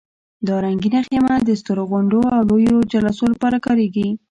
دا رنګینه خیمه د سترو غونډو او لویو جلسو لپاره کارېږي.